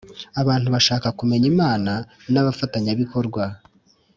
abantu bashaka kumenya imana nabafatanyabikorwa